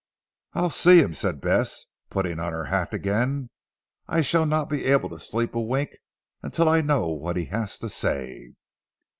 "I'll see him," said Bess putting on her hat again. "I shall not be able to sleep a wink until I know what he has to say."